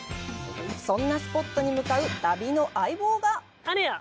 そんなスポットに向かう旅の相棒があれや！